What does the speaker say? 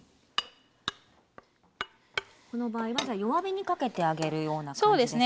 この場合はじゃ弱火にかけてあげるような感じですか？